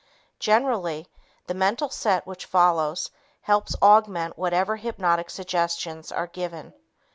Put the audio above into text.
Generally, the mental set which follows helps augment whatever hypnotic suggestions are given.